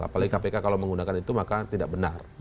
apalagi kpk kalau menggunakan itu maka tidak benar